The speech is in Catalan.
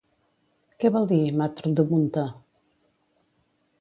Què vol dir Mātr-damunt-ā?